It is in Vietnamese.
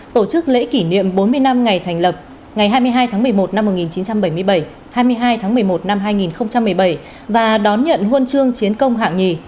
tổ chức lễ kỷ niệm bốn mươi năm ngày thành lập ngày hai mươi hai tháng một mươi một năm một nghìn chín trăm bảy mươi bảy hai mươi hai tháng một mươi một năm hai nghìn một mươi bảy và đón nhận huân chương chiến công hạng nhì